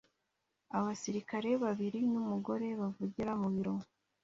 Abasirikare babiri n’umugore bavugira mu biro